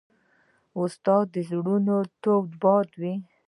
استاد د زړونو تود باد وي.